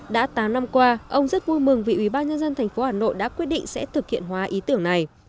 đã tám năm qua ông rất vui mừng vì ủy ban nhân dân tp hà nội đã quyết định sẽ thực hiện hóa ý tưởng này